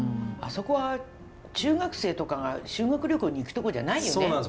あそこは中学生とかが修学旅行に行くとこじゃないよね。